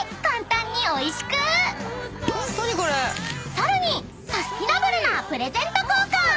［さらにサスティナブルなプレゼント交換］